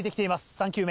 ３球目。